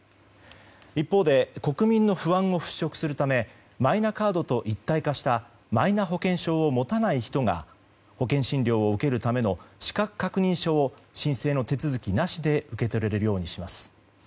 一方で国民の不安を払拭するためマイナカードと一体化したマイナ保険証を持たない人が保険診療を受けるための資格確認書を申請の手続きなしで受け取れるようにします。